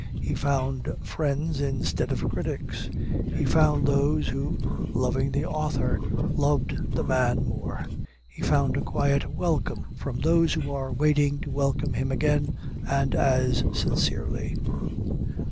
He found friends instead of critics. He found those who, loving the author, loved the man more. He found a quiet welcome from those who are waiting to welcome him again and as sincerely.